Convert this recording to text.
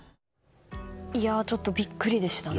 ちょっとビックリでしたね。